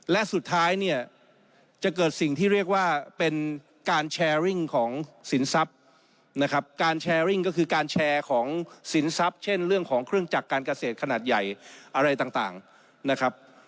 และสุดท้ายเนี่ยจะเกิดสิ่งที่เรียกว่าเป็นการแชร์ริ่งของสินทรัพย์นะครับการแชร์ริ่งก็คือการแชร์ของสินทรัพย์เช่นเรื่องของเครื่องจักรการเกษตรขนาดใหญ่อะไรต่างนะครับ